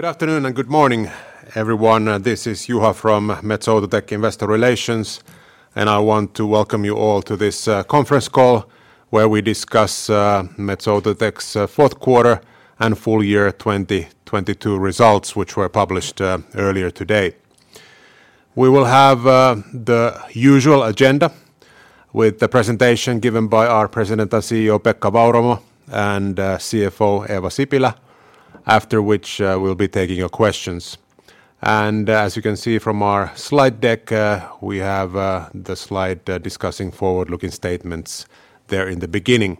Good afternoon and good morning, everyone. This is Juha from Metso Outotec Investor Relations, and I want to welcome you all to this conference call where we discuss Metso Outotec's fourth quarter and full year 2022 results, which were published earlier today. We will have the usual agenda with the presentation given by our President and CEO, Pekka Vauramo, and CFO, Eeva Sipilä, after which we'll be taking your questions. As you can see from our slide deck, we have the slide discussing forward-looking statements there in the beginning.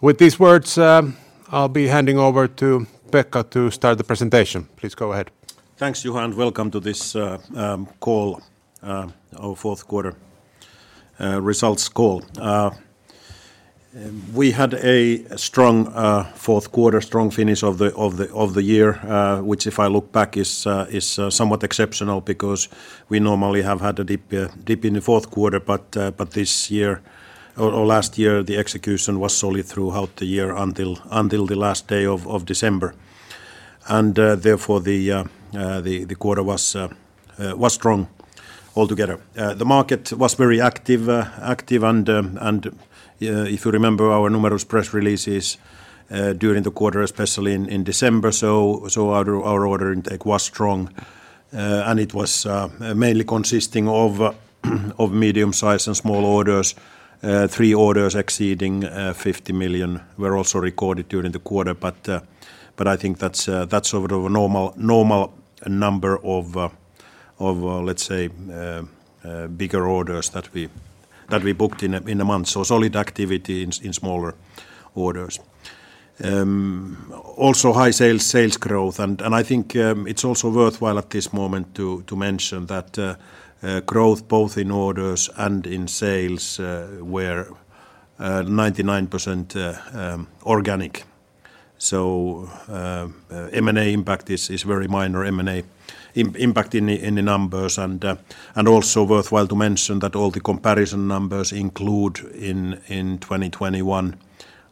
With these words, I'll be handing over to Pekka to start the presentation. Please go ahead. Thanks, Juha, welcome to this call, our fourth quarter results call. We had a strong fourth quarter, strong finish of the year, which if I look back is somewhat exceptional because we normally have had a dip in the fourth quarter but this year or last year, the execution was solely throughout the year until the last day of December. Therefore the quarter was strong altogether. The market was very active, if you remember our numerous press releases during the quarter, especially in December. Our order intake was strong, and it was mainly consisting of medium size and small orders. Three orders exceeding 50 million were also recorded during the quarter, but I think that's sort of a normal number of, let's say, bigger orders that we booked in a month. Solid activity in smaller orders. Also high sales growth and I think it's also worthwhile at this moment to mention that growth both in orders and in sales were 99% organic. M&A impact is very minor M&A impact in the numbers and also worthwhile to mention that all the comparison numbers include in 2021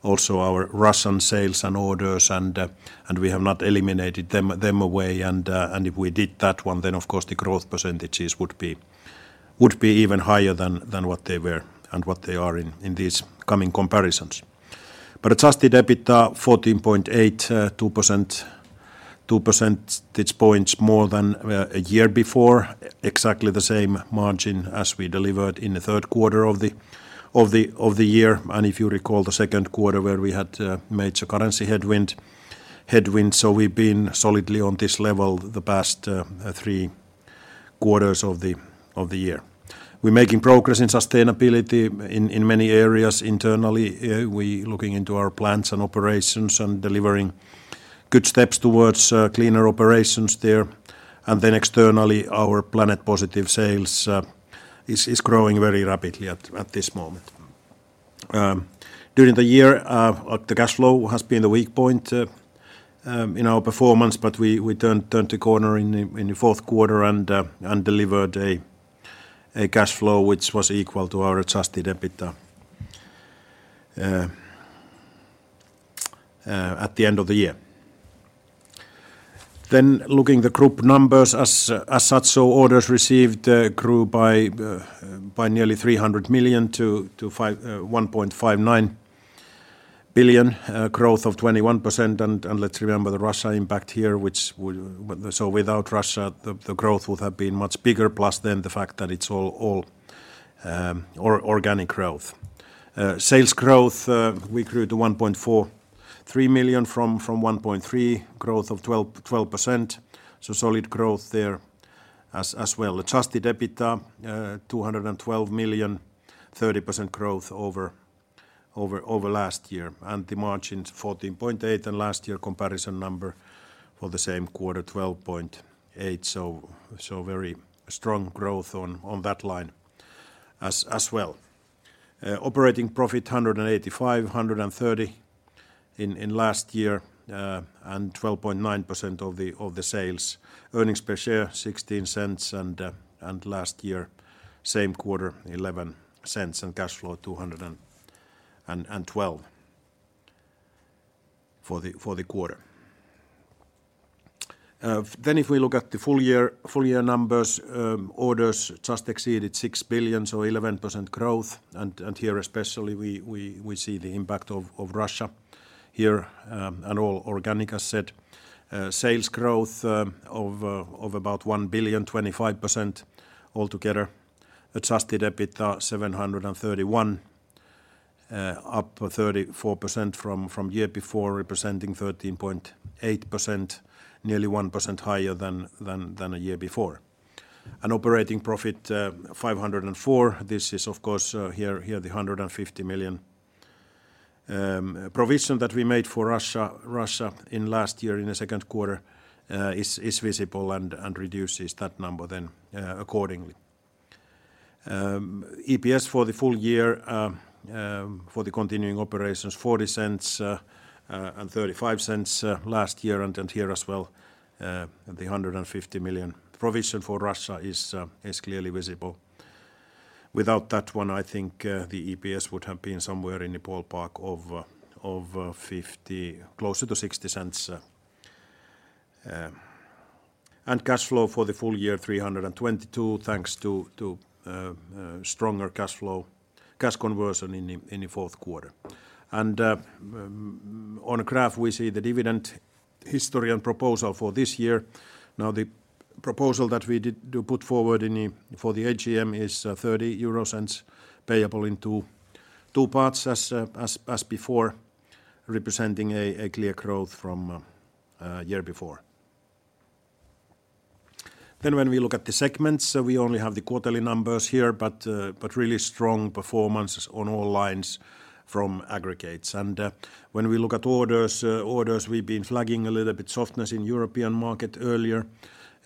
also our Russian sales and orders and we have not eliminated them away and if we did that one, then of course the growth percentages would be even higher than what they were and what they are in these coming comparisons. Adjusted EBITA 14.8, 2%, 2 percentage points more than a year before, exactly the same margin as we delivered in the third quarter of the year. If you recall the second quarter where we had major currency headwind. We've been solidly on this level the past three quarters of the year. We're making progress in sustainability in many areas internally. We looking into our plants and operations and delivering good steps towards cleaner operations there. Externally, our Planet Positive sales is growing very rapidly at this moment. During the year, the cash flow has been the weak point in our performance, but we turned the corner in the fourth quarter and delivered a cash flow which was equal to our Adjusted EBITA at the end of the year. Looking the Group numbers as such, orders received grew by nearly 300 million-1.59 billion, growth of 21%. Let's remember the Russia impact here. Without Russia, the growth would have been much bigger plus then the fact that it's all organic growth. Sales growth, we grew to 1.43 million from 1.3, growth of 12%. Solid growth there as well. Adjusted EBITA, 212 million, 30% growth over last year. The margins, 14.8%, and last year comparison number for the same quarter, 12.8%. Very strong growth on that line as well. Operating profit 185, 130 in last year, and 12.9% of the sales. Earnings per share 0.16 and last year same quarter 0.11, and cash flow 212 million for the quarter. If we look at the full year numbers, orders just exceeded 6 billion, so 11% growth. Here especially we see the impact of Russia, and all organic as said. Sales growth of about 1 billion, 25% altogether. Adjusted EBITA 731 million, up 34% from year before, representing 13.8%, nearly 1% higher than a year before. Operating profit 504 million. This is of course, the 150 million provision that we made for Russia last year in the second quarter is visible and reduces that number accordingly. EPS for the full year for the continuing operations, 0.40, 0.35 last year. Here as well, the 150 million provision for Russia is clearly visible. Without that one, I think, the EPS would have been somewhere in the ballpark of closer to 0.60. Cash flow for the full year 322 million, thanks to stronger cash flow, cash conversion in the fourth quarter. On graph, we see the dividend history and proposal for this year. The proposal that we do put forward for the AGM is 0.30 euros payable in two parts as before, representing a clear growth from a year before. When we look at the segments, we only have the quarterly numbers here, but really strong performance on all lines from Aggregates. When we look at orders, we've been flagging a little bit softness in European market earlier.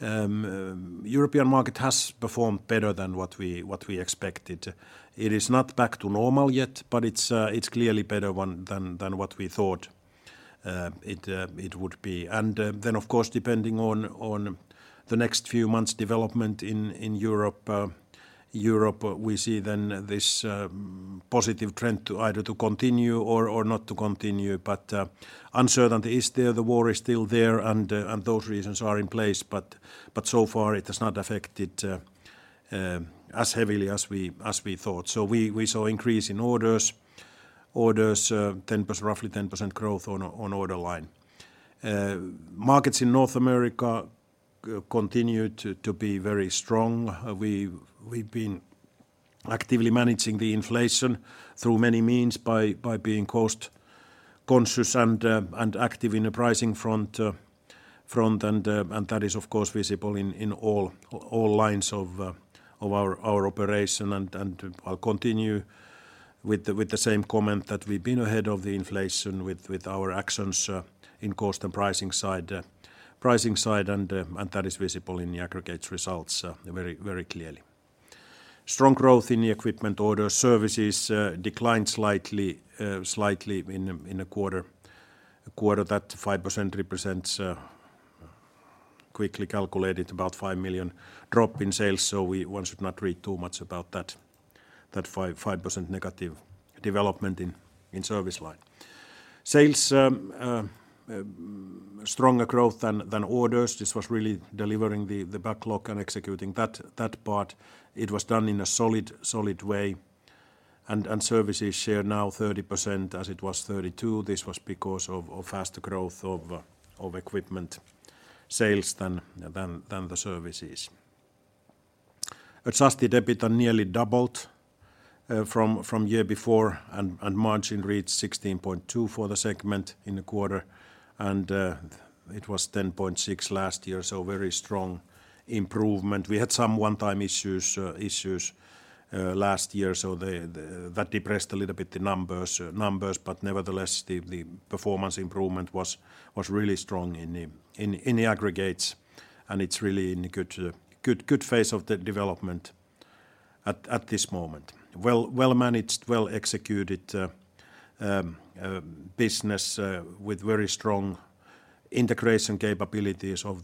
European market has performed better than what we expected. It is not back to normal yet, but it's clearly better one than what we thought it would be. Then of course, depending on the next few months development in Europe, we see then this positive trend to either continue or not to continue. Uncertainty is there, the war is still there, and those reasons are in place, but so far, it has not affected as heavily as we thought. We saw increase in orders. Roughly 10% growth on order line. Markets in North America continue to be very strong. We've been actively managing the inflation through many means by being cost conscious and active in the pricing front. That is of course visible in all lines of our operation. I'll continue with the same comment that we've been ahead of the inflation with our actions in cost and pricing side, pricing side, and that is visible in the Aggregates results very clearly. Strong growth in the equipment orders. Services declined slightly in a quarter that 5% represents quickly calculated about 5 million drop in sales, so one should not read too much about that -5% development in service line. Sales stronger growth than orders. This was really delivering the backlog and executing that part. It was done in a solid way. Services share now 30% as it was 32%. This was because of faster growth of equipment sales than the services. Adjusted EBITA nearly doubled from year before, margin reached 16.2% for the segment in the quarter. It was 10.6% last year, very strong improvement. We had some one-time issues last year, that depressed a little bit the numbers. Nevertheless, the performance improvement was really strong in the Aggregates, it's really in a good phase of the development at this moment. Well, well-managed, well-executed business, with very strong integration capabilities of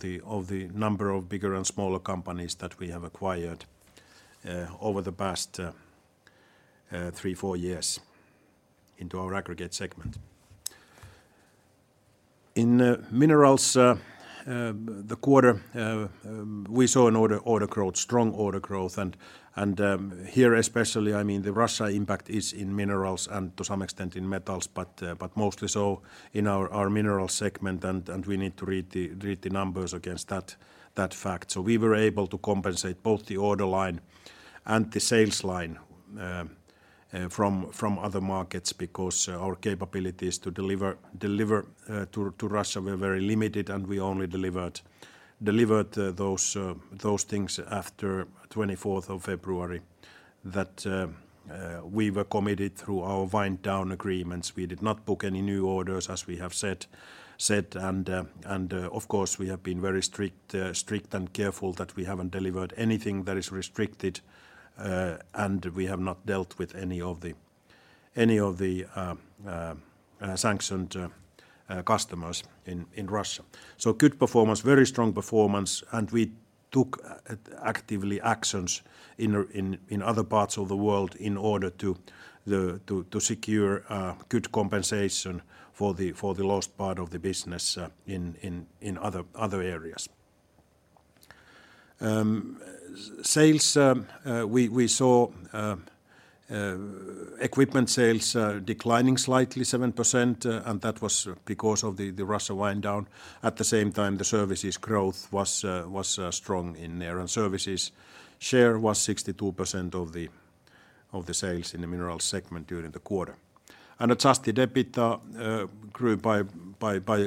the number of bigger and smaller companies that we have acquired over the past three, four years into our Aggregates segment. In Minerals, the quarter, we saw an order growth, strong order growth. Here especially, I mean, the Russia impact is in Minerals and to some extent in Metals, but mostly so in our Minerals segment, and we need to read the numbers against that fact. We were able to compensate both the order line and the sales line from other markets because our capabilities to deliver to Russia were very limited, and we only delivered those things after February 24th, 2022 that we were committed through our wind down agreements. We did not book any new orders, as we have said. Of course, we have been very strict and careful that we haven't delivered anything that is restricted, and we have not dealt with any of the sanctioned customers in Russia. Good performance, very strong performance, and we took actively actions in other parts of the world in order to secure good compensation for the lost part of the business in other areas. Sales, we saw equipment sales declining slightly 7%, and that was because of the Russia wind down. At the same time, the services growth was strong in there. Services share was 62% of the sales in the Minerals segment during the quarter. Adjusted EBITA grew by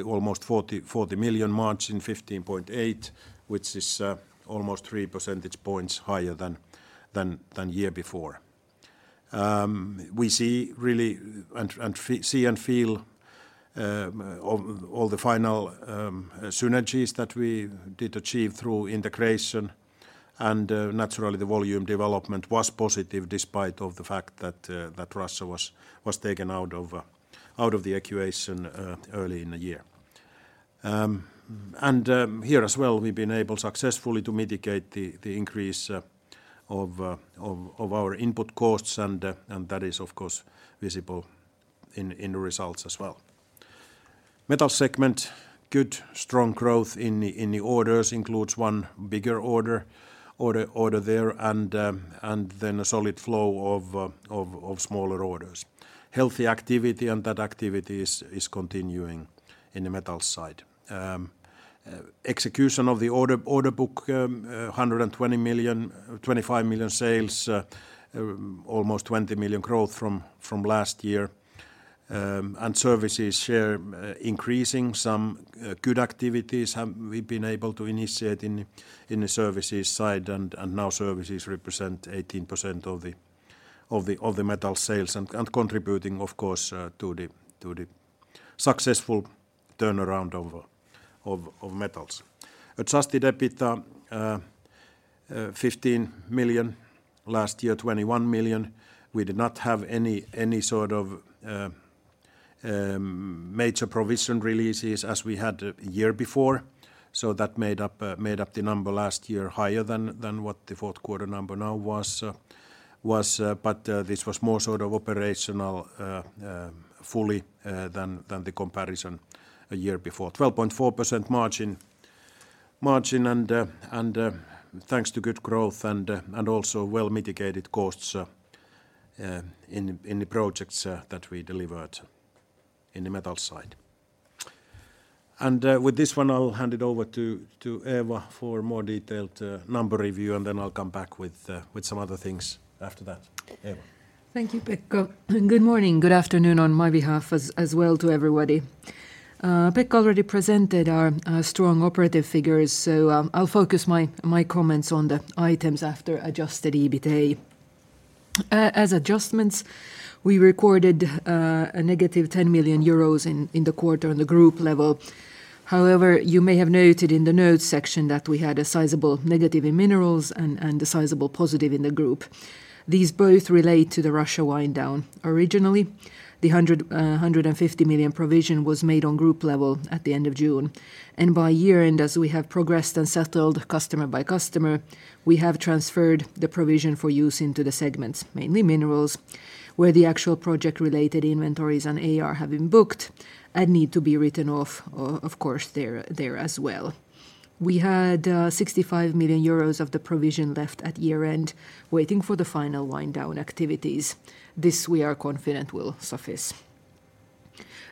almost 40 million, margin 15.8%, which is almost 3 percentage points higher than year before. We see really and see and feel all the final synergies that we did achieve through integration. Naturally, the volume development was positive despite of the fact that Russia was taken out of the equation early in the year. Here as well, we've been able successfully to mitigate the increase of our input costs and that is of course visible in the results as well. Metals segment, good strong growth in the orders includes one bigger order there and then a solid flow of smaller orders. Healthy activity and that activity is continuing in the Metals side. Execution of the order book, 120 million, 25 million sales, almost 20 million growth from last year. Services share increasing some good activities have we've been able to initiate in the services side and now services represent 18% of the Metal sales and contributing of course to the successful turnaround of Metals. Adjusted EBITA 15 million. Last year, 21 million. We did not have any sort of major provision releases as we had year before, so that made up the number last year higher than what the fourth quarter number now was. This was more sort of operational fully than the comparison a year before. 12.4% margin and thanks to good growth and also well-mitigated costs in the projects that we delivered in the Metal side. With this one, I'll hand it over to Eeva for more detailed number review. I'll come back with some other things after that. Eeva. Thank you, Pekka. Good morning, good afternoon on my behalf as well to everybody. Pekka already presented our strong operative figures. I'll focus my comments on the items after Adjusted EBITA. As adjustments, we recorded a -10 million euros in the quarter on the Group level. You may have noted in the Notes section that we had a sizable negative in Minerals and a sizable positive in the Group. These both relate to the Russia wind down. Originally, the 150 million provision was made on Group level at the end of June. By year-end, as we have progressed and settled customer-by-customer, we have transferred the provision for use into the segments, mainly Minerals, where the actual project-related inventories and AR have been booked and need to be written off of course there as well. We had 65 million euros of the provision left at year-end waiting for the final wind down activities. This we are confident will suffice.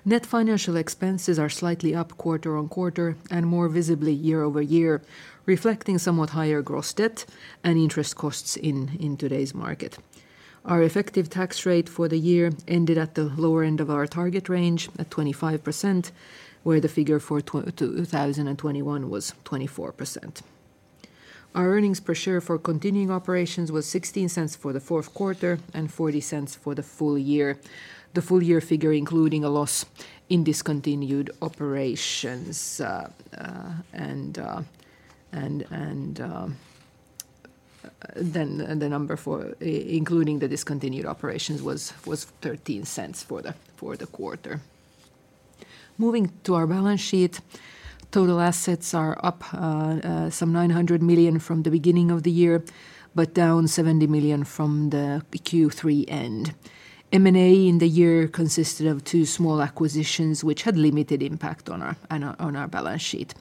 Net financial expenses are slightly up quarter-on-quarter and more visibly year-over-year, reflecting somewhat higher gross debt and interest costs in today's market. Our effective tax rate for the year ended at the lower end of our target range at 25%, where the figure for 2021 was 24%. Our earnings per share for continuing operations was 0.16 for the fourth quarter and 0.40 for the full year. The full year figure including a loss in discontinued operations, and then the number for including the discontinued operations was 0.13 for the quarter. Moving to our balance sheet, total assets are up some 900 million from the beginning of the year, but down 70 million from the Q3 end. M&A in the year consisted of two small acquisitions which had limited impact on our balance sheet.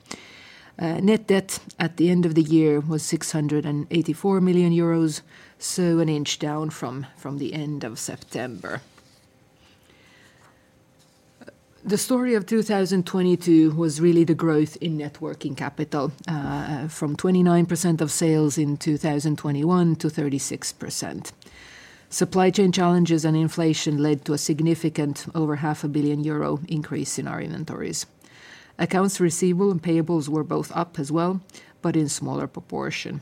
Net debt at the end of the year was 684 million euros, so an inch down from the end of September. The story of 2022 was really the growth in net working capital from 29% of sales in 2021 to 36%. Supply chain challenges and inflation led to a significant over 500 million euro increase in our inventories. Accounts receivable and payables were both up as well, but in smaller proportion.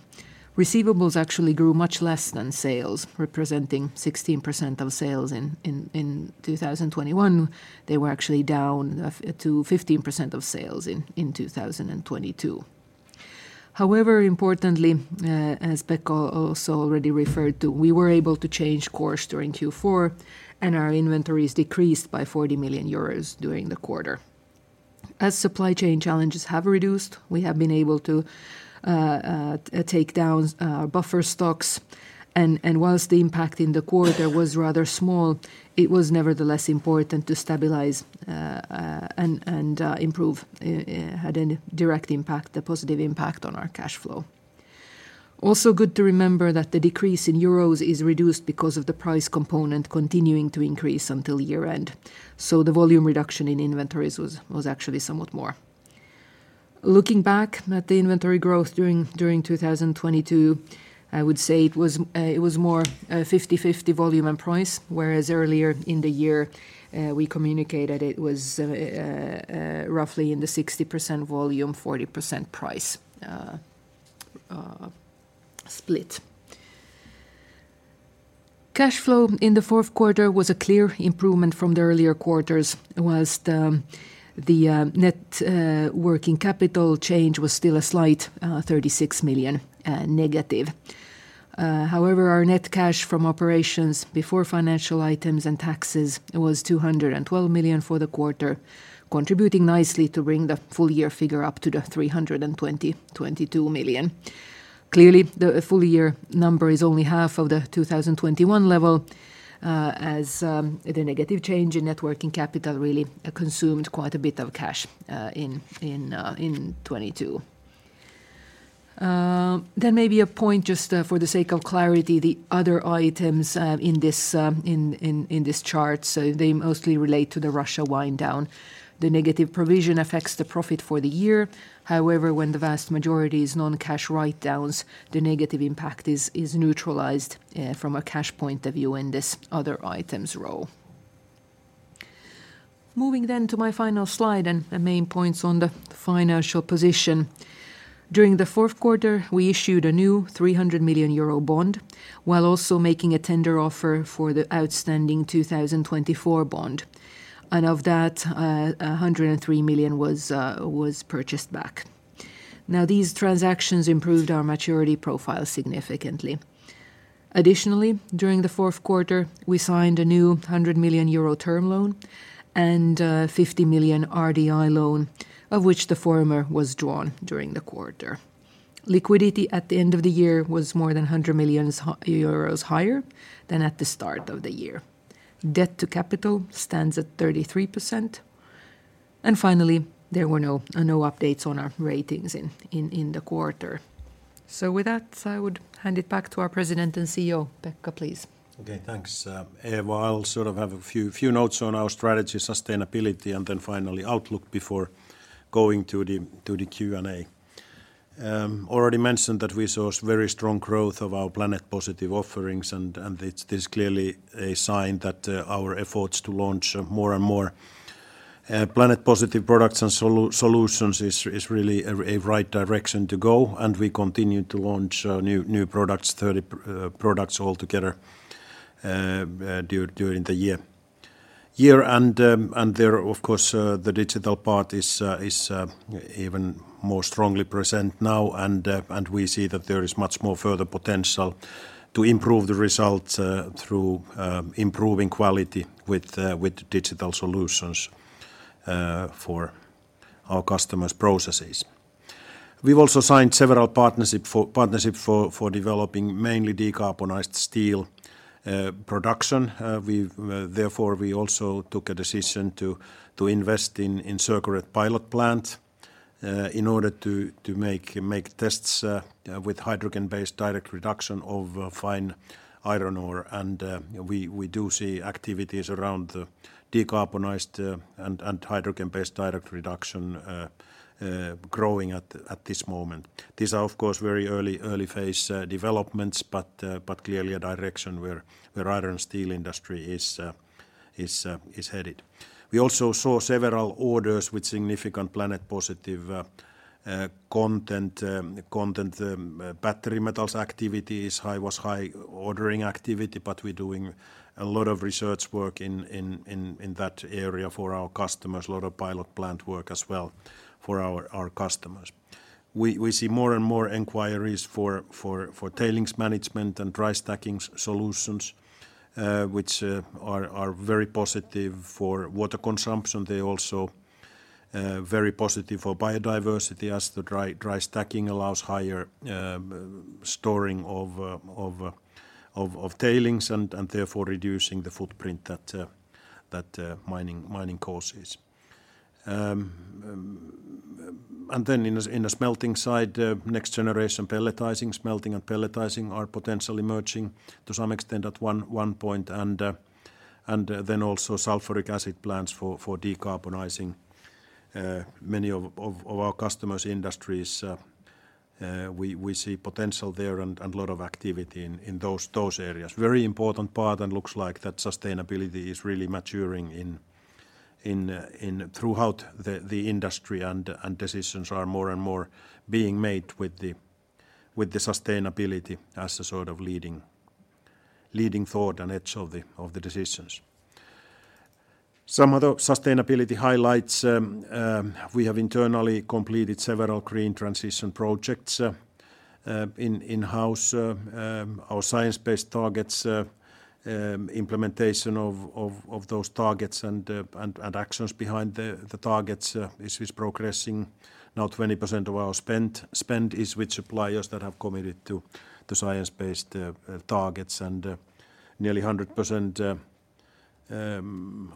Receivables actually grew much less than sales, representing 16% of sales in 2021. They were actually down to 15% of sales in 2022. However, importantly, as Pekka also already referred to, we were able to change course during Q4 and our inventories decreased by 40 million euros during the quarter. As supply chain challenges have reduced, we have been able to take down buffer stocks and whilst the impact in the quarter was rather small, it was nevertheless important to stabilize and improve had any direct impact, a positive impact on our cash flow. Good to remember that the decrease in euros is reduced because of the price component continuing to increase until year-end. The volume reduction in inventories was actually somewhat more. Looking back at the inventory growth during 2022, I would say it was 50/50 volume and price, whereas earlier in the year, we communicated it was roughly in the 60% volume, 40% price split. Cash flow in the fourth quarter was a clear improvement from the earlier quarters whilst the net working capital change was still a slight -36 million. However, our net cash from operations before financial items and taxes was 212 million for the quarter, contributing nicely to bring the full year figure up to the 322 million. Clearly, the full year number is only half of the 2021 level, as the negative change in net working capital really consumed quite a bit of cash in 2022. There may be a point just for the sake of clarity, the other items in this chart, they mostly relate to the Russia wind down. The negative provision affects the profit for the year. However, when the vast majority is non-cash write downs, the negative impact is neutralized from a cash point of view in this other items role. Moving to my final slide and the main points on the financial position. During the fourth quarter, we issued a new 300 million euro bond, while also making a tender offer for the outstanding 2024 bond. Of that, 103 million was purchased back. These transactions improved our maturity profile significantly. During the fourth quarter, we signed a new 100 million euro term loan and 50 million RDI loan, of which the former was drawn during the quarter. Liquidity at the end of the year was more than 100 million euros higher than at the start of the year. Debt-to-capital stands at 33%. Finally, there were no updates on our ratings in the quarter. With that, I would hand it back to our President and CEO, Pekka, please. Okay, thanks, Eeva. I'll sort of have a few notes on our strategy, sustainability, and then finally outlook before going to the Q&A. Already mentioned that we saw very strong growth of our Planet Positive offerings, this clearly a sign that our efforts to launch more and more Planet Positive products and solutions is really a right direction to go, and we continue to launch new products, 30 products altogether during the year. There, of course, the digital part is even more strongly present now. We see that there is much more further potential to improve the results through improving quality with digital solutions for our customers' processes. We've also signed several partnership for developing mainly decarbonized steel production. We've therefore, we also took a decision to invest in Circored pilot plant in order to make tests with hydrogen-based direct reduction of fine iron ore. We do see activities around the decarbonized and hydrogen-based direct reduction growing at this moment. These are, of course, very early phase developments, but clearly a direction where iron steel industry is headed. We also saw several orders with significant Planet Positive content. Battery metals activity was high ordering activity, but we're doing a lot of research work in that area for our customers, a lot of pilot plant work as well for our customers. We see more and more inquiries for tailings management and dry stacking solutions, which are very positive for water consumption. They also very positive for biodiversity as the dry stacking allows higher storing of tailings and therefore reducing the footprint that mining causes. In the smelting side, next generation pelletizing, smelting and pelletizing are potentially merging to some extent at 1 point. Also sulfuric acid plants for decarbonizing many of our customers' industries. We see potential there and a lot of activity in those areas. Very important part looks like that sustainability is really maturing in throughout the industry and decisions are more and more being made with the sustainability as a sort of leading thought and edge of the decisions. Some other sustainability highlights, we have internally completed several green transition projects in-house. Our Science Based Targets implementation of those targets and actions behind the targets is progressing. Now 20% of our spend is with suppliers that have committed to Science Based Targets. Nearly 100%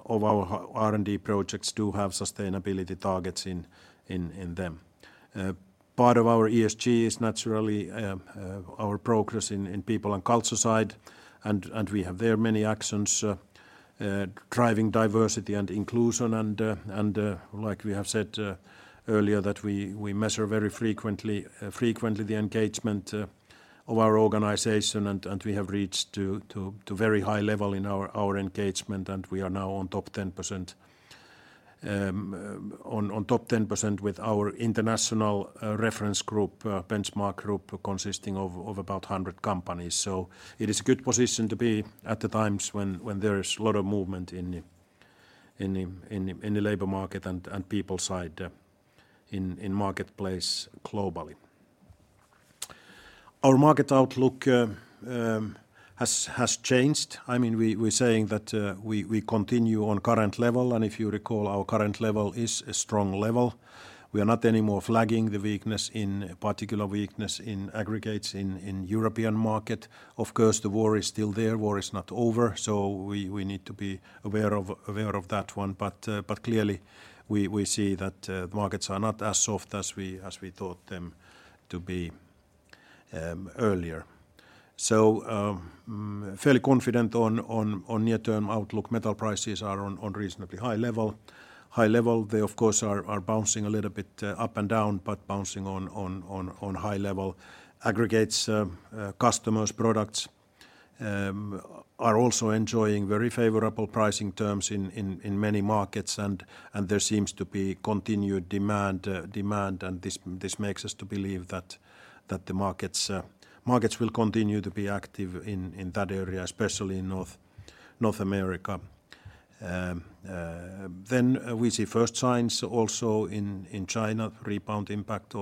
of our R&D projects do have sustainability targets in them. Part of our ESG is naturally our progress in people and culture side. We have there many actions driving diversity and inclusion. Like we have said earlier that we measure very frequently the engagement of our organization. We have reached to very high level in our engagement, and we are now on top 10% with our international reference group benchmark group consisting of about 100 companies. It is a good position to be at the times when there is a lot of movement in the labor market and people side in marketplace globally. Our market outlook has changed. I mean, we're saying that we continue on current level. If you recall, our current level is a strong level. We are not anymore flagging the weakness in particular weakness in Aggregates in European market. Of course, the war is still there. War is not over, we need to be aware of that one. Clearly we see that markets are not as soft as we thought them to be earlier. Fairly confident on near-term outlook. Metal prices are on reasonably high level. They of course are bouncing a little bit up and down, bouncing on high level. Aggregates, customers' products are also enjoying very favorable pricing terms in many markets and there seems to be continued demand, and this makes us to believe that the markets will continue to be active in that area, especially in North America. We see first signs also in China, rebound impact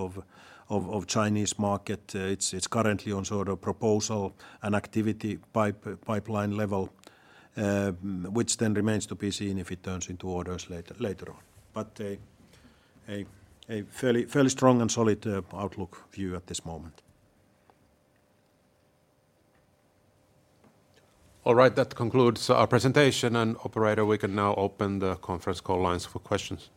of Chinese market. It's currently on sort of proposal and activity pipeline level, which then remains to be seen if it turns into orders later on. A fairly strong and solid outlook view at this moment. All right. That concludes our presentation. Operator, we can now open the conference call lines for questions.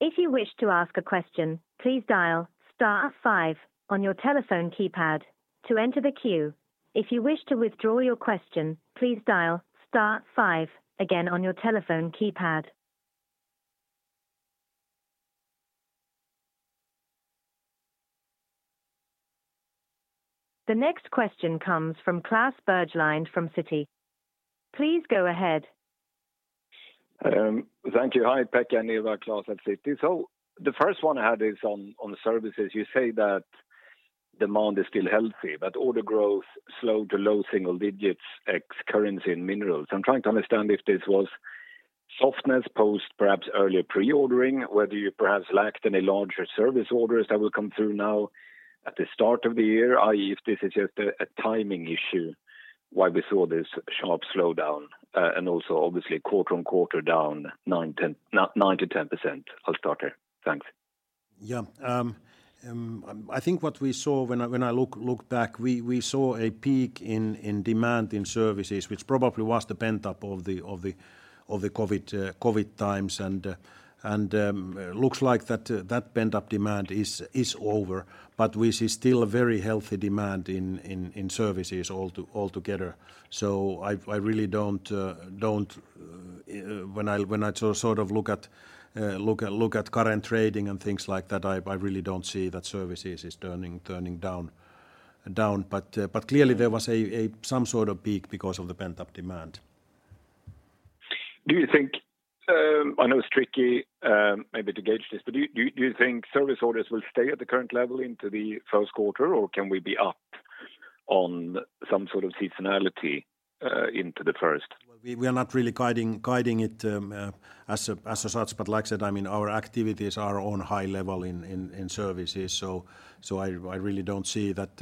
If you wish to ask a question, please dial star five on your telephone keypad to enter the queue. If you wish to withdraw your question, please dial star five again on your telephone keypad. The next question comes from Klas Bergelind from Citi. Please go ahead. Thank you. Hi, Pekka and Eeva. Klas at Citi. The first one I had is on services. You say that demand is still healthy, order growth slowed to low single-digits ex-currency in Minerals. I'm trying to understand if this was softness post perhaps earlier pre-ordering, whether you perhaps lacked any larger service orders that will come through now at the start of the year? If this is just a timing issue why we saw this sharp slowdown, and also obviously quarter-on-quarter down 9%-10%. I'll start there. Thanks. Yeah. I think what we saw when I, when I look back, we saw a peak in demand in services, which probably was the pent-up of the COVID times. And looks like that pent-up demand is over. But we see still a very healthy demand in services all together. So I really don't, when I sort of look at, look at current trading and things like that, I really don't see that services is turning down. But clearly there was some sort of peak because of the pent-up demand. Do you think, I know it's tricky, maybe to gauge this, but do you think service orders will stay at the current level into the first quarter, or can we be up on some sort of seasonality, into the first? We are not really guiding it as such, but like I said, I mean, our activities are on high level in services. I really don't see that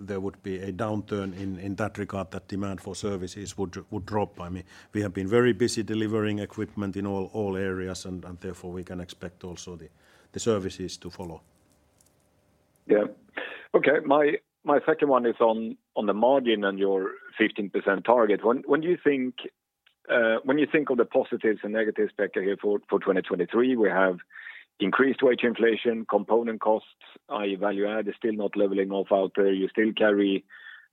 there would be a downturn in that regard that demand for services would drop. I mean, we have been very busy delivering equipment in all areas and therefore we can expect also the services to follow. Yeah. Okay. My second one is on the margin and your 15% target. When you think of the positives and negatives, Pekka, here for 2023, we have increased wage inflation, component costs, i.e. value add is still not leveling off out there. You still carry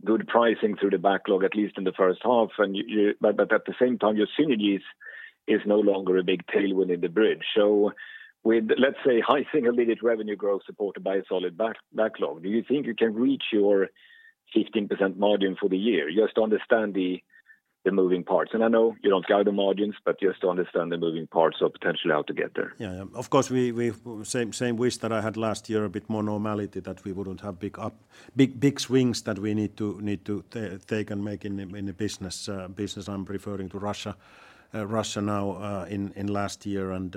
good pricing through the backlog, at least in the first half. At the same time, your synergies is no longer a big tailwind in the bridge. With, let's say, high single-digit revenue growth supported by a solid backlog, do you think you can reach your 15% margin for the year? Just to understand the moving parts. I know you don't guide the margins, but just to understand the moving parts of potentially how to get there. Yeah. Of course we same wish that I had last year, a bit more normality, that we wouldn't have big swings that we need to take and make in the business. I'm referring to Russia now in last year and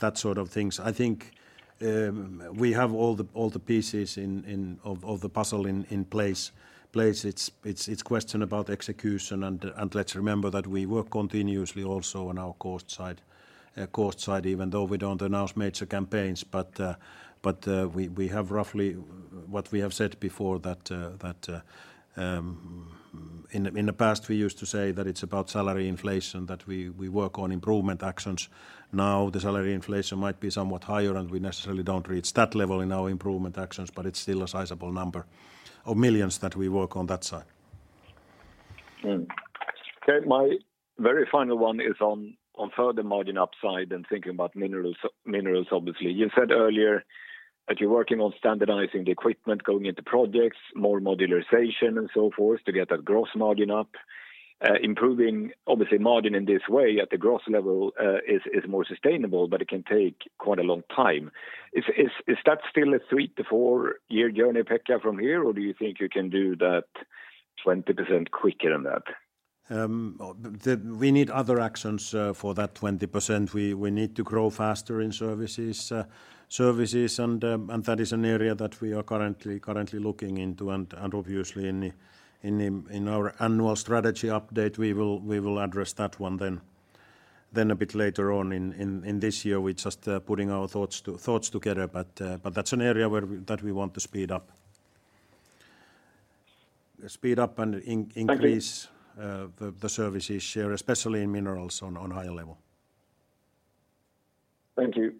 that sort of things. I think we have all the pieces in of the puzzle in place. It's question about execution and let's remember that we work continuously also on our cost side, even though we don't announce major campaigns. We have roughly what we have said before that in the past we used to say that it's about salary inflation, that we work on improvement actions. The salary inflation might be somewhat higher, and we necessarily don't reach that level in our improvement actions, but it's still a sizable number of millions that we work on that side. Okay. My very final one is on further margin upside and thinking about Minerals, obviously. You said earlier. You're working on standardizing the equipment going into projects, more modularization and so forth to get that gross margin up. Improving obviously margin in this way at the gross level is more sustainable, but it can take quite a long time. Is that still a three- to four-year journey, Pekka, from here, or do you think you can do that 20% quicker than that? The... We need other actions for that 20%. We need to grow faster in services and that is an area that we are currently looking into. Obviously in our annual strategy update, we will address that one then a bit later on in this year. We're just putting our thoughts together. That's an area that we want to speed up. Speed up and increase... Thank you. the services share, especially in Minerals on higher level. Thank you.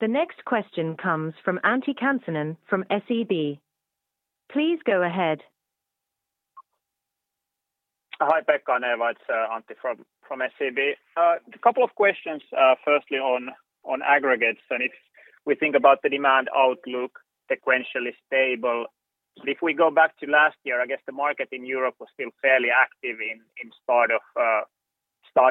The next question comes from Antti Kansanen from SEB. Please go ahead. Hi, Pekka and Eeva. It's Antti from SEB. A couple of questions, firstly on Aggregates. If we think about the demand outlook sequentially stable. If we go back to last year, I guess the market in Europe was still fairly active in start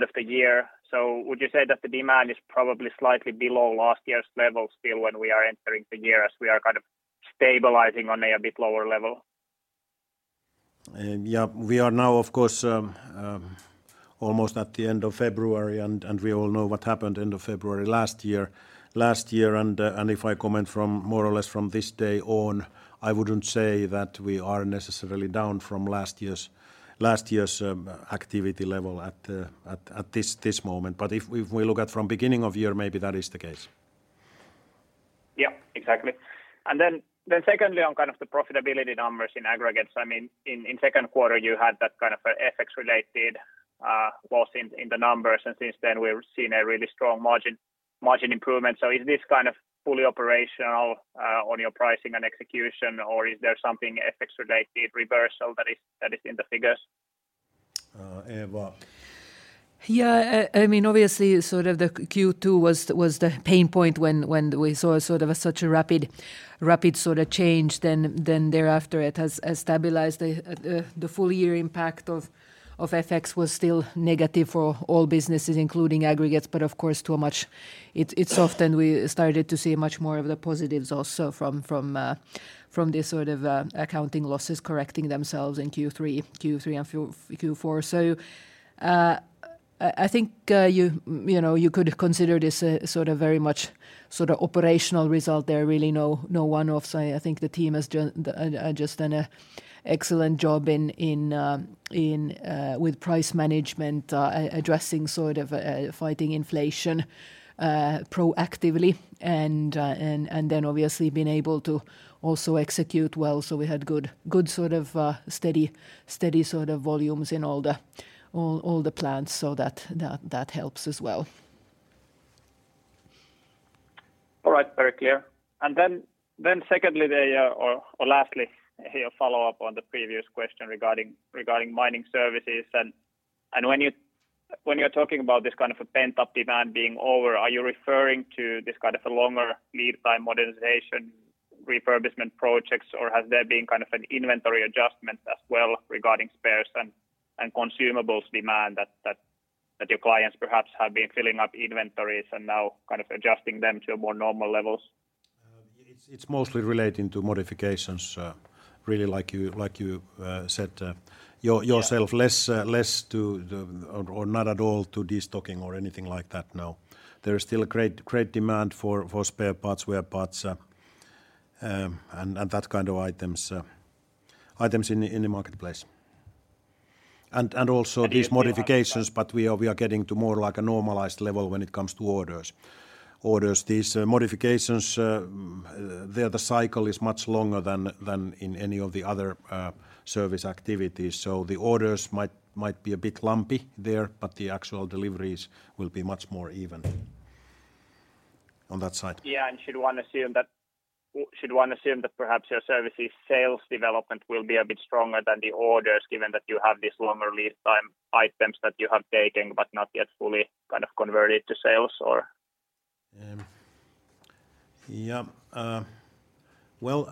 of the year. Would you say that the demand is probably slightly below last year's level still when we are entering the year, as we are kind of stabilizing on a bit lower level? Yeah. We are now, of course, almost at the end of February and we all know what happened end of February last year. If I comment from more or less from this day on, I wouldn't say that we are necessarily down from last year's activity level at this moment. If we look at from beginning of year, maybe that is the case. Yeah. Exactly. Then secondly, on kind of the profitability numbers in Aggregates. I mean, in second quarter you had that kind of a FX related loss in the numbers, since then we've seen a really strong margin improvement. Is this kind of fully operational on your pricing and execution, or is there something FX related reversal that is in the figures? Eeva? Yeah. I mean, obviously sort of the Q2 was the pain point when we saw sort of a such a rapid sort of change then thereafter it has stabilized. The full year impact of FX was still negative for all businesses, including Aggregates. Of course, to a much it's often we started to see much more of the positives also from this sort of accounting losses correcting themselves in Q3 and Q4. I think, you know, you could consider this a sort of very much sort of operational result there. Really no one-offs. I think the team just done an excellent job in with price management, addressing sort of fighting inflation proactively and then obviously being able to also execute well. We had good sort of, steady sort of volumes in all the plants. That helps as well. All right. Very clear. Lastly, a follow-up on the previous question regarding mining services. When you're talking about this kind of a pent-up demand being over, are you referring to this kind of a longer lead time modernization refurbishment projects? Has there been kind of an inventory adjustment as well regarding spares and consumables demand that your clients perhaps have been filling up inventories and now kind of adjusting them to a more normal levels? It's mostly relating to modifications, really like you said, yourself less, or not at all to destocking or anything like that, no. There is still a great demand for spare parts, wear parts, and that kind of items in the marketplace. Also these modifications we are getting to more like a normalized level when it comes to orders. These modifications, there the cycle is much longer than in any of the other service activities. The orders might be a bit lumpy there, but the actual deliveries will be much more even on that side. Yeah. Should one assume that perhaps your services sales development will be a bit stronger than the orders given that you have this longer lead time items that you have taken but not yet fully kind of converted to sales or? Yeah. Well,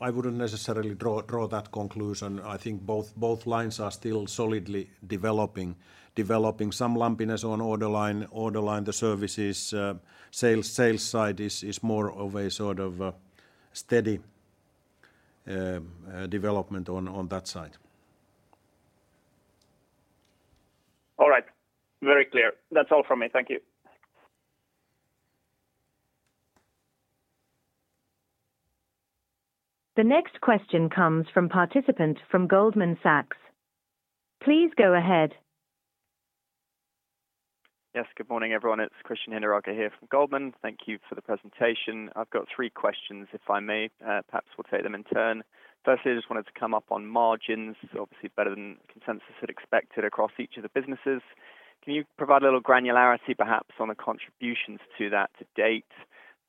I wouldn't necessarily draw that conclusion. I think both lines are still solidly developing. Some lumpiness on order line. The services sales side is more of a sort of a steady development on that side. All right. Very clear. That's all from me. Thank you. The next question comes from participant from Goldman Sachs. Please go ahead. Yes. Good morning, everyone. It's Christian Hinderaker here from Goldman. Thank you for the presentation. I've got three questions, if I may. Perhaps we'll take them in turn. Firstly, I just wanted to come up on margins, obviously better than consensus had expected across each of the businesses. Can you provide a little granularity perhaps on the contributions to that to-date?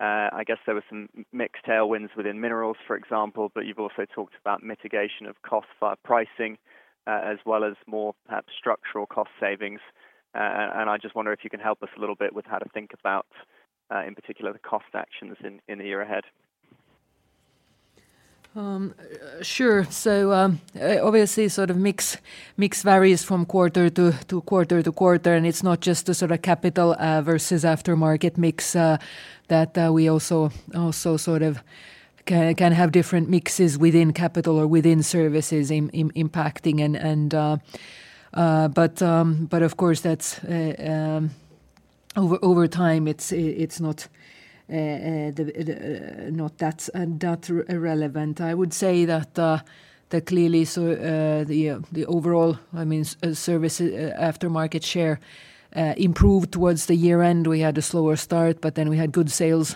I guess there were some mixed tailwinds within Minerals, for example, you've also talked about mitigation of costs via pricing, as well as more perhaps structural cost savings. I just wonder if you can help us a little bit with how to think about, in particular the cost actions in the year ahead. Sure. Obviously sort of mix varies from quarter-to-quarter, and it's not just a sort of capital versus aftermarket mix that we also can have different mixes within capital or within services impacting. But of course that's over time it's not the not that relevant. I would say that clearly the overall, I mean, service aftermarket share improved towards the year-end. We had a slower start, but then we had good sales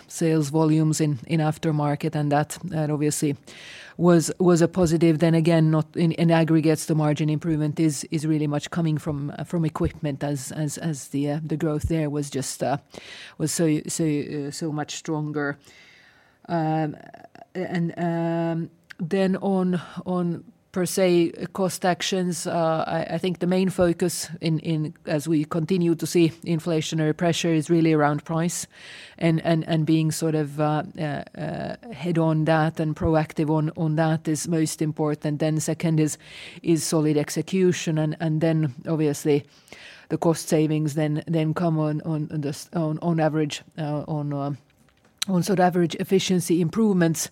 volumes in aftermarket, and that obviously was a positive. Again, not in Aggregates the margin improvement is really much coming from equipment as the growth there was just so much stronger. Then on per se cost actions, I think the main focus in as we continue to see inflationary pressure is really around price and being sort of head-on that and proactive on that is most important. Second is solid execution and then obviously the cost savings then come on the on average, on sort of average efficiency improvements.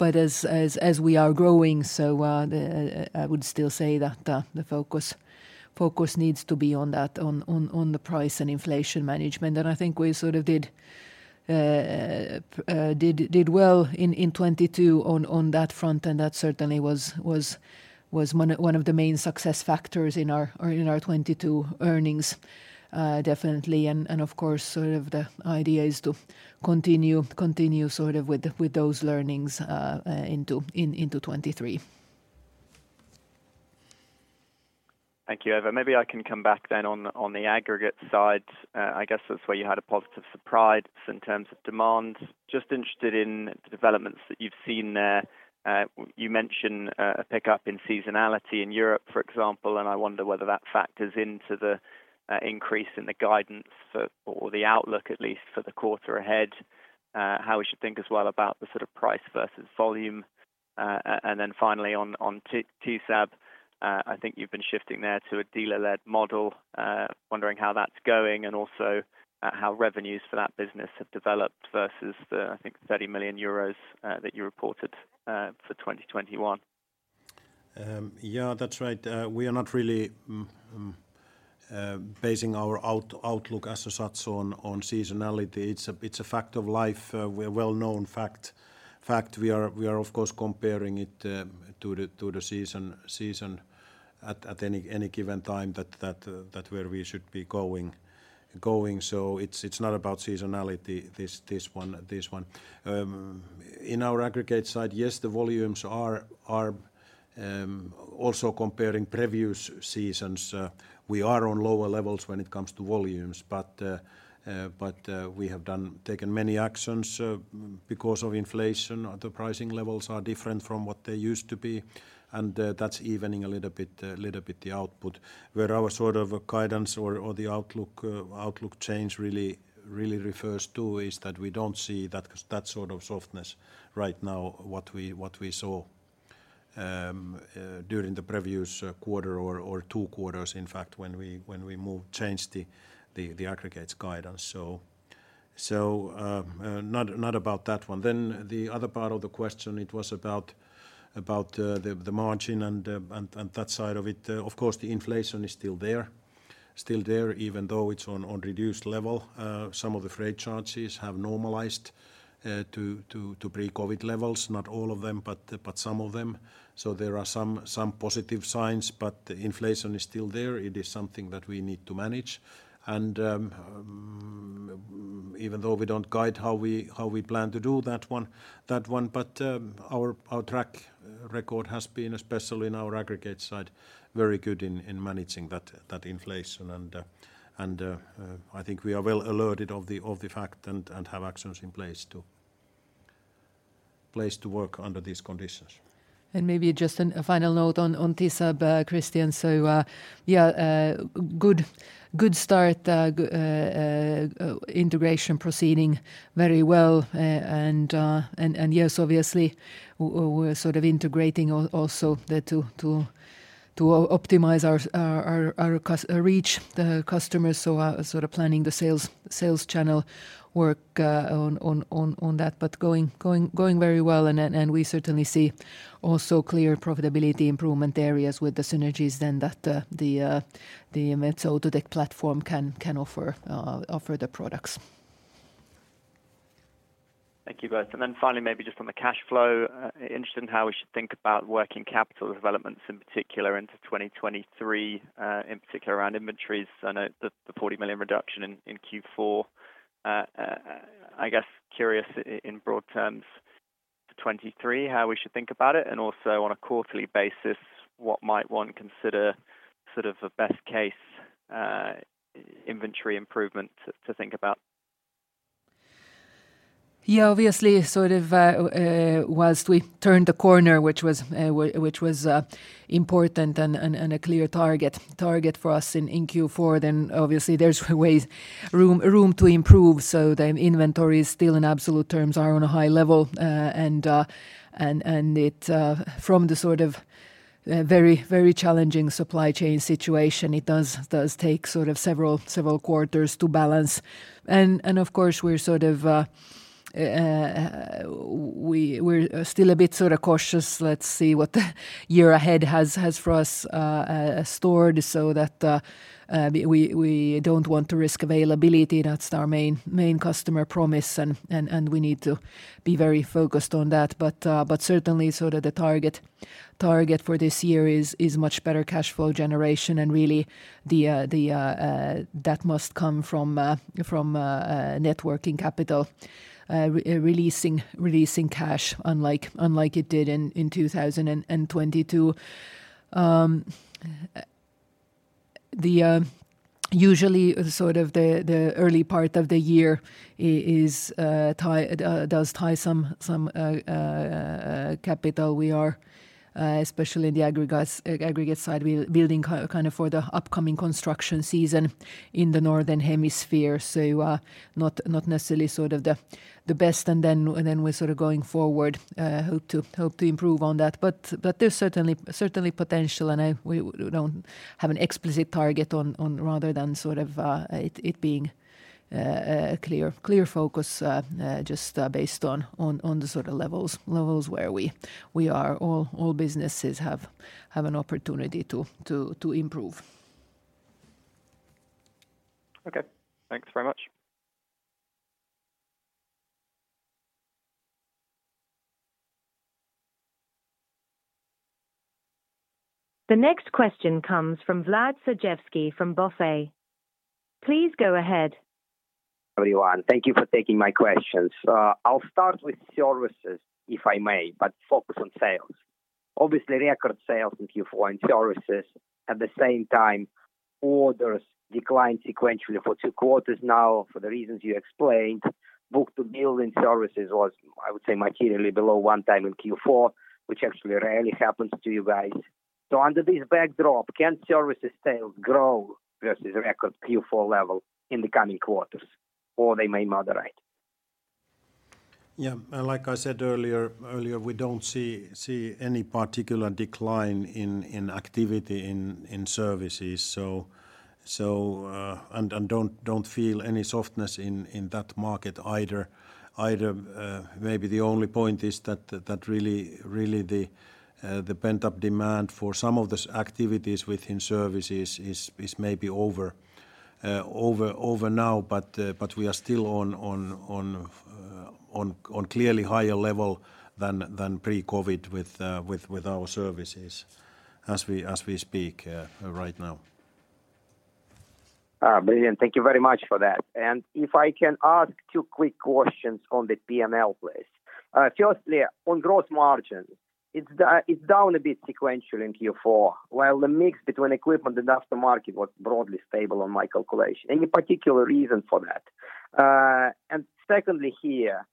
As we are growing, the I would still say that the focus needs to be on that, on the price and inflation management. I think we sort of did well in 2022 on that front, and that certainly was one of the main success factors in our 2022 earnings, definitely. Of course, sort of the idea is to continue sort of with those learnings into 2023. Thank you, Eeva. Maybe I can come back then on the Aggregates side. I guess that's where you had a positive surprise in terms of demand. Just interested in the developments that you've seen there. You mentioned a pickup in seasonality in Europe, for example, and I wonder whether that factors into the increase in the guidance for or the outlook at least for the quarter ahead. How we should think as well about the sort of price versus volume. Then finally on Tesab, I think you've been shifting there to a dealer-led model. Wondering how that's going and also how revenues for that business have developed versus the, I think 30 million euros, that you reported for 2021. Yeah, that's right. We are not really basing our out-outlook as such on seasonality. It's a fact of life. We're well-known fact we are of course comparing it to the season at any given time that where we should be going. It's not about seasonality, this one. In our Aggregates side, yes, the volumes are also comparing previous seasons. We are on lower levels when it comes to volumes. We have taken many actions because of inflation. The pricing levels are different from what they used to be, and that's evening a little bit the output. Where our sort of guidance or the outlook change really refers to is that we don't see that sort of softness right now what we saw during the previous quarter or two quarters, in fact, when we changed the Aggregates guidance. Not about that one. The other part of the question, it was about the margin and that side of it. Of course, the inflation is still there, even though it's on reduced level. Some of the freight charges have normalized to pre-COVID levels. Not all of them, but some of them. There are some positive signs, but inflation is still there. It is something that we need to manage. Even though we don't guide how we plan to do that one, but our track record has been, especially in our Aggregates side, very good in managing that inflation. I think we are well alerted of the fact and have actions in place to work under these conditions. Maybe just a final note on Tesab, Christian. Yeah, good start. Integration proceeding very well. Yes, obviously we're sort of integrating also to optimize our reach the customers. Sort of planning the sales channel work on that, but going very well. We certainly see also clear profitability improvement areas with the synergies then that the Metso Outotec platform can offer the products. Thank you both. Finally, maybe just on the cash flow. Interested in how we should think about working capital developments in particular into 2023, in particular around inventories. I know the 40 million reduction in Q4. I guess curious in broad terms, 2023, how we should think about it, and also on a quarterly basis, what might one consider sort of a best case inventory improvement to think about? Obviously, while we turned the corner, which was important and a clear target for us in Q4, there's room to improve. The inventories still in absolute terms are on a high level, and it from the very challenging supply chain situation, it does take several quarters to balance. Of course, we're still a bit cautious. Let's see what the year ahead has for us stored so that we don't want to risk availability. That's our main customer promise and we need to be very focused on that. Certainly sort of the target for this year is much better cash flow generation, and really that must come from net working capital, releasing cash unlike it did in 2022. Usually the sort of the early part of the year does tie some capital. We are especially in the Aggregates, Aggregates side, we're building kind of for the upcoming construction season in the Northern Hemisphere. Not necessarily sort of the best. Then we're sort of going forward, hope to improve on that. There's certainly potential and we don't have an explicit target on rather than sort of, it being, a clear focus, just, based on the sort of levels where we are. All businesses have an opportunity to improve. Okay. Thanks very much. The next question comes from Vladimir Sergievskiy from BofA. Please go ahead. Everyone, thank you for taking my questions. I'll start with services, if I may, but focus on sales. Obviously, record sales in Q4 in services. At the same time, orders declined sequentially for two quarters now for the reasons you explained. Book-to-bill in services was, I would say, materially below one time in Q4, which actually rarely happens to you guys. Under this backdrop, can services sales grow versus record Q4 level in the coming quarters or they may moderate? Like I said earlier, we don't see any particular decline in activity in services. Don't feel any softness in that market either. Maybe the only point is that really the pent-up demand for some of these activities within services is maybe over now. We are still on clearly higher level than pre-COVID with our services as we speak right now. Brilliant. Thank you very much for that. If I can ask two quick questions on the P&L please. Firstly, on gross margins, it's down a bit sequentially in Q4, while the mix between equipment and aftermarket was broadly stable on my calculation. Any particular reason for that? Secondly here,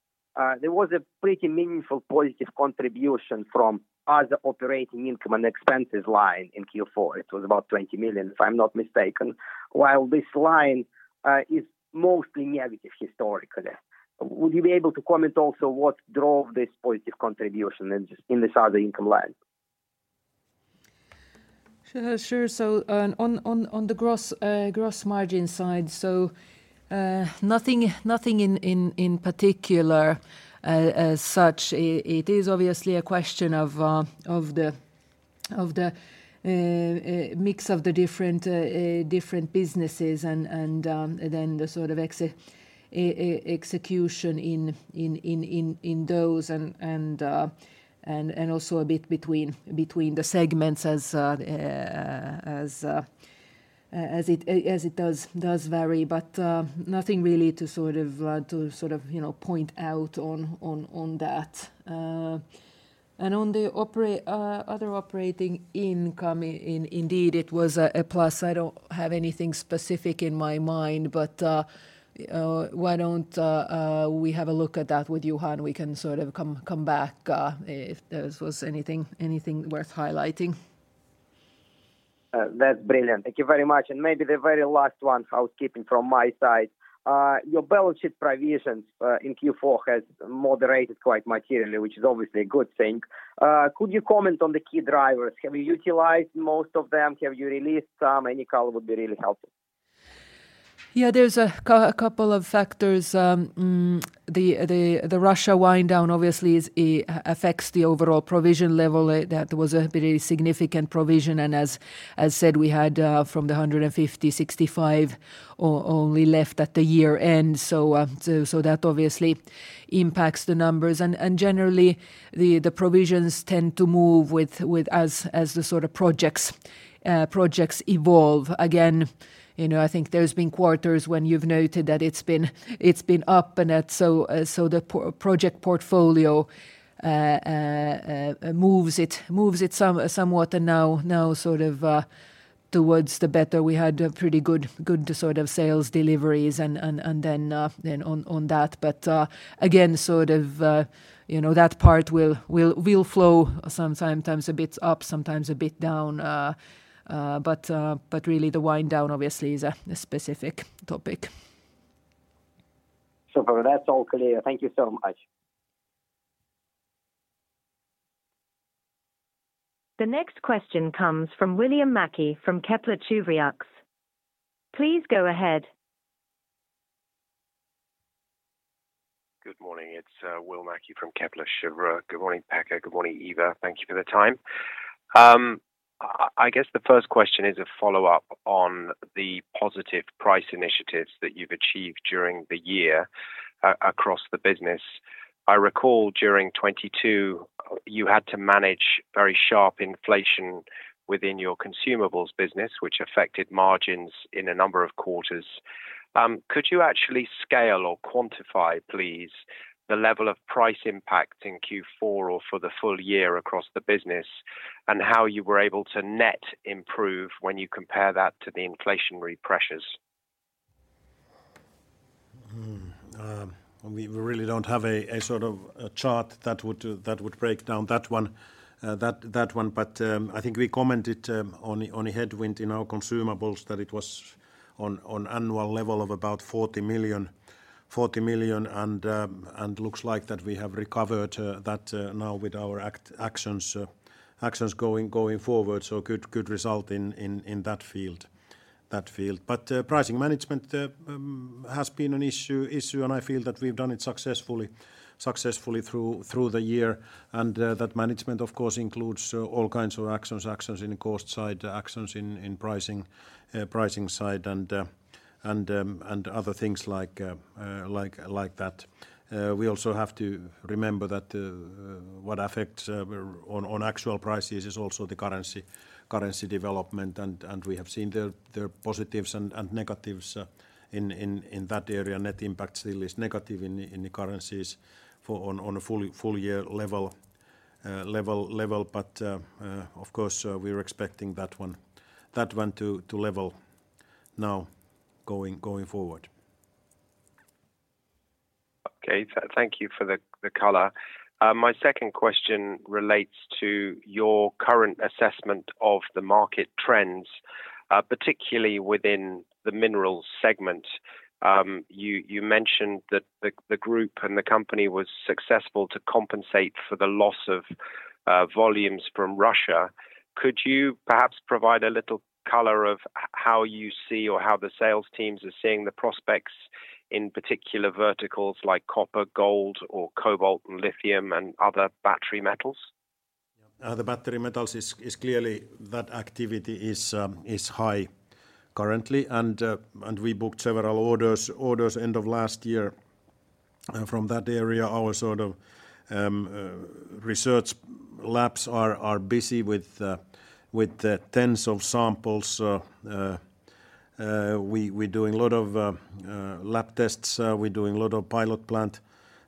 there was a pretty meaningful positive contribution from other operating income and expenses line in Q4. It was about 20 million, if I'm not mistaken. While this line is mostly negative historically. Would you be able to comment also what drove this positive contribution in this, in this other income line? Sure. On the gross margin side, nothing in particular as such. It is obviously a question of the mix of the different businesses and then the sort of execution in those and also a bit between the segments as it does vary. Nothing really to sort of, you know, point out on that. On the other operating income indeed, it was a plus. I don't have anything specific in my mind, but why don't we have a look at that with Juha. We can sort of come back, if there was anything worth highlighting. That's brilliant. Thank you very much. Maybe the very last one, housekeeping from my side. Your balance sheet provisions, in Q4 has moderated quite materially, which is obviously a good thing. Could you comment on the key drivers? Have you utilized most of them? Have you released some? Any color would be really helpful. Yeah. There's a couple of factors. The Russia wind down obviously is, affects the overall provision level. That was a very significant provision. As said, we had from the 150, 65 only left at the year-end. That obviously impacts the numbers. Generally, the provisions tend to move with as the sort of projects evolve. Again, you know, I think there's been quarters when you've noted that it's been up and that so the project portfolio moves it somewhat and now sort of. Towards the better, we had a pretty good sort of sales deliveries and then on that. Again, sort of, you know, that part will flow sometimes a bit up, sometimes a bit down. But really the wind down obviously is a specific topic. Super. That's all clear. Thank you so much. The next question comes from William Mackie from Kepler Cheuvreux. Please go ahead. Good morning. It's Will Mackie from Kepler Cheuvreux. Good morning, Pekka. Good morning, Eeva. Thank you for the time. I guess the first question is a follow-up on the positive price initiatives that you've achieved during the year across the business. I recall during 2022 you had to manage very sharp inflation within your consumables business, which affected margins in a number of quarters. Could you actually scale or quantify, please, the level of price impact in Q4 or for the full year across the business, and how you were able to net improve when you compare that to the inflationary pressures? We really don't have a sort of a chart that would break down that one. I think we commented on a headwind in our consumables that it was on annual level of about 40 million. Looks like that we have recovered that now with our actions going forward. Good result in that field. Pricing management has been an issue, and I feel that we've done it successfully through the year. That management of course includes all kinds of actions in cost side, actions in pricing side and other things like that. We also have to remember that, uh, what affects, uh, on actual prices is also the currency development. And, and we have seen the positives and negatives, uh, in, in that area. Net impact still is negative in the currencies for on a full year level, uh, level. But, um, uh, of course, uh, we're expecting that one, that one to level now going forward. Okay. Thank you for the color. My second question relates to your current assessment of the market trends, particularly within the Minerals segment. You mentioned that the Group and the company was successful to compensate for the loss of volumes from Russia. Could you perhaps provide a little color of how you see or how the sales teams are seeing the prospects in particular verticals like copper, gold or cobalt and lithium and other battery metals? Yeah. The battery metals is clearly that activity is high currently. We booked several orders end of last year from that area. Our sort of research labs are busy with the tens of samples. We're doing a lot of lab tests, we're doing a lot of pilot plant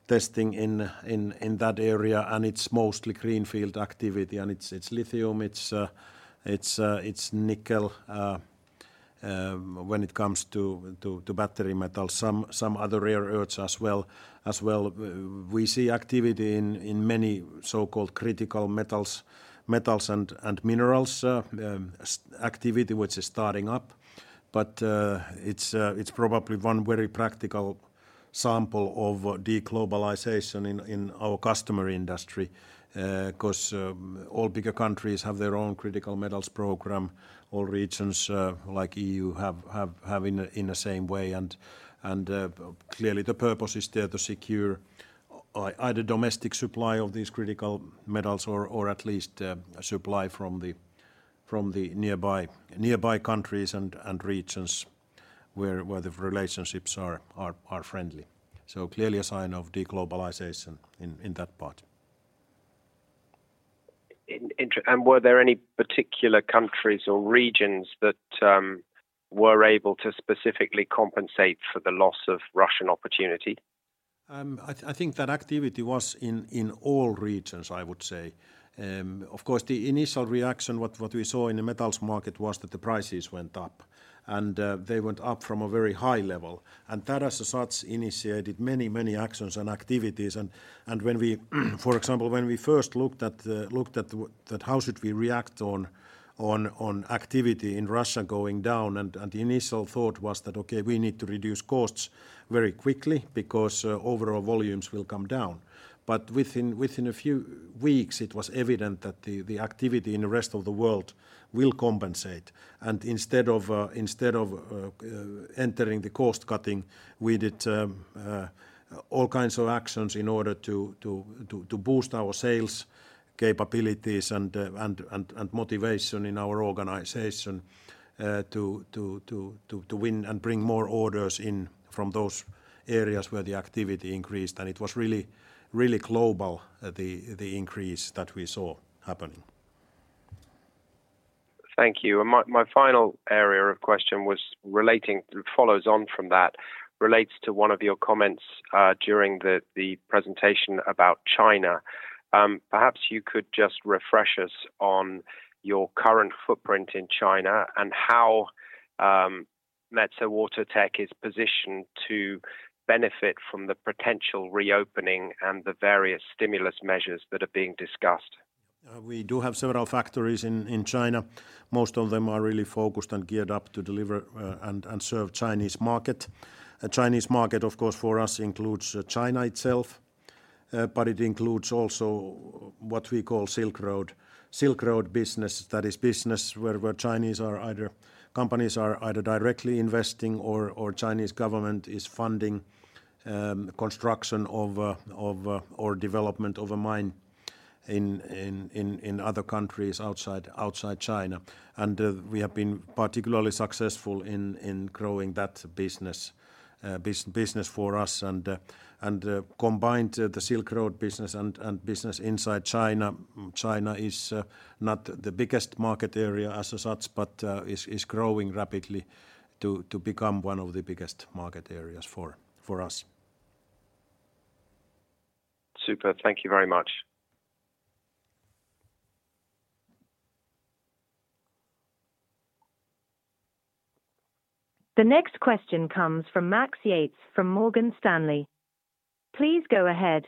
testing in that area, and it's mostly greenfield activity and it's lithium, it's nickel. When it comes to battery metals, some other rare earths as well. We see activity in many so-called critical metals and minerals activity, which is starting up. It's probably one very practical sample of de-globalization in our customer industry. 'Cause all bigger countries have their own critical metals program or regions, like EU have in a same way. Clearly the purpose is there to secure either domestic supply of these critical metals or at least supply from the nearby countries and regions where the relationships are friendly. Clearly a sign of de-globalization in that part. Were there any particular countries or regions that were able to specifically compensate for the loss of Russian opportunity? I think that activity was in all regions, I would say. Of course, the initial reaction, what we saw in the Metals market was that the prices went up and they went up from a very high level. That as such initiated many actions and activities. When we, for example, when we first looked at how should we react on activity in Russia going down, and the initial thought was that, okay, we need to reduce costs very quickly because overall volumes will come down. Within a few weeks, it was evident that the activity in the rest of the world will compensate. Instead of entering the cost cutting, we did all kinds of actions in order to boost our sales capabilities and motivation in our organization to win and bring more orders in from those areas where the activity increased. It was really global, the increase that we saw happening. Thank you. My final area of question it follows on from that, relates to one of your comments during the presentation about China. Perhaps you could just refresh us on your current footprint in China and how Metso Outotec is positioned to benefit from the potential reopening and the various stimulus measures that are being discussed? We do have several factories in China. Most of them are really focused and geared up to deliver and serve Chinese market. A Chinese market, of course, for us includes China itself, but it includes also what we call Silk Road. Silk Road business, that is business where Chinese companies are either directly investing or Chinese government is funding construction of or development of a mine in other countries outside China. We have been particularly successful in growing that business for us. Combined the Silk Road business and business inside China is not the biggest market area as such, but is growing rapidly to become one of the biggest market areas for us. Super. Thank you very much. The next question comes from Max Yates from Morgan Stanley. Please go ahead.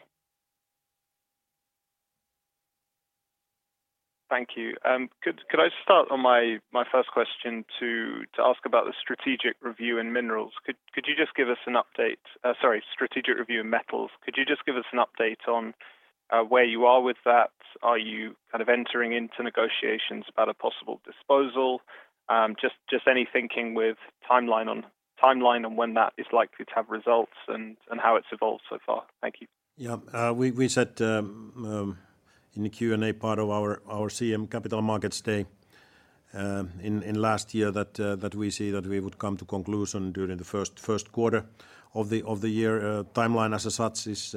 Thank you. Could I start on my first question to ask about the strategic review in Minerals. Could you just give us an update. Sorry, strategic review in Metals. Could you just give us an update on where you are with that? Are you kind of entering into negotiations about a possible disposal? Just any thinking with timeline and when that is likely to have results and how it's evolved so far. Thank you. Yeah. We said in the Q&A part of our Capital Markets Day in last year that we see that we would come to conclusion during the first quarter of the year. Timeline as such is,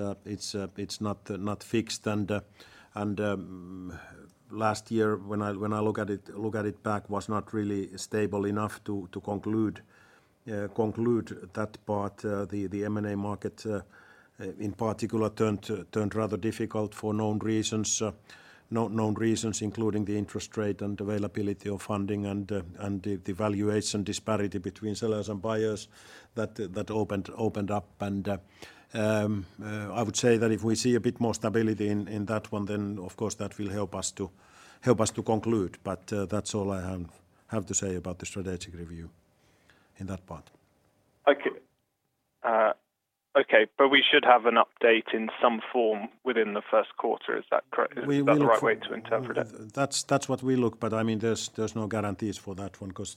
it's not fixed and last year when I look at it back was not really stable enough to conclude that part. The M&A market in particular turned rather difficult for known reasons. Known reasons including the interest rate and availability of funding and the valuation disparity between sellers and buyers that opened up. I would say that if we see a bit more stability in that one, then of course that will help us to conclude. That's all I have to say about the strategic review in that part. Okay. Okay. We should have an update in some form within the first quarter. Is that correct? We would- Is that the right way to interpret it? That's what we look. I mean, there's no guarantees for that one 'cause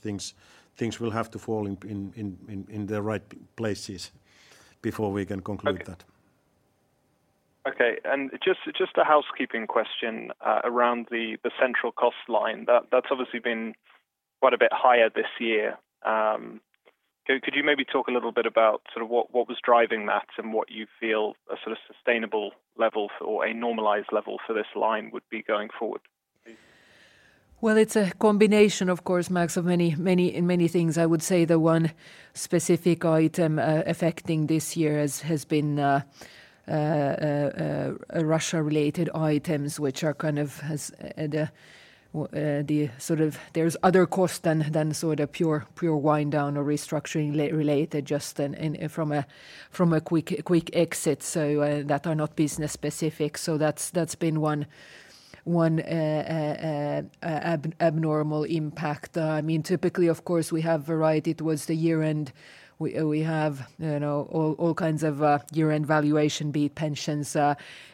things will have to fall in the right places before we can conclude that. Okay. Just a housekeeping question around the central cost line. That's obviously been quite a bit higher this year. Could you maybe talk a little bit about sort of what was driving that and what you feel a sort of sustainable level for or a normalized level for this line would be going forward, please? Well, it's a combination, of course, Max, of many things. I would say the one specific item affecting this year has been Russia related items, which are kind of has the sort of there's other costs than sort of pure wind down or restructuring related just from a quick exit, that are not business specific. That's been one abnormal impact. I mean, typically, of course, we have variety towards the year-end. We have, you know, all kinds of year-end valuation, be it pensions,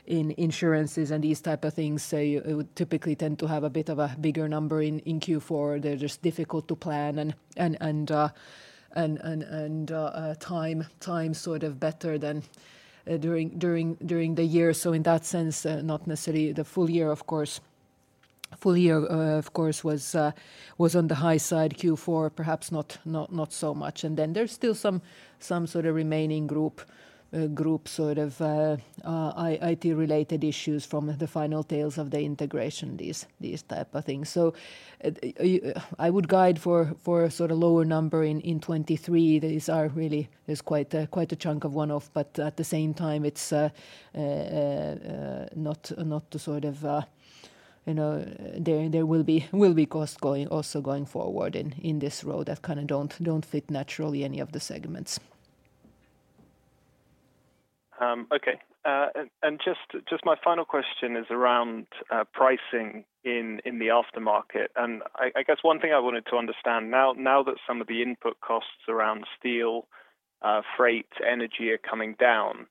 in insurances and these type of things. You would typically tend to have a bit of a bigger number in Q4. They're just difficult to plan and time sort of better than during the year. In that sense, not necessarily the full year, of course. Full year, of course, was on the high side, Q4 perhaps not so much. Then there's still some sort of remaining group sort of IT related issues from the final tails of the integration, these type of things. I would guide for sort of lower number in 2023. There's quite a chunk of one-off, but at the same time, it's not the sort of, you know... There will be cost also going forward in this road that kind of don't fit naturally any of the segments. Okay. Just my final question is around pricing in the aftermarket. I guess one thing I wanted to understand now that some of the input costs around steel, freight, energy are coming down,